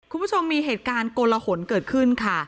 คุณผู้ชมมีเหตุการณ์โกลหนเกิดขึ้นค่ะ